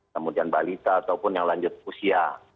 kemudian balita ataupun yang lanjut usia